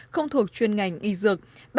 không thuộc chuyên ngành y dược